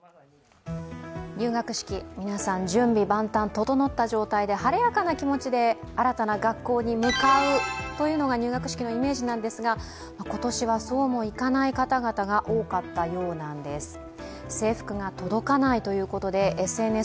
入学式、皆さん、準備万端整った状態で晴れやかな気持ちで新たな学校に向かうというのが入学式のイメージなんですが、今年はそうもいかない方々が多かったようなんです。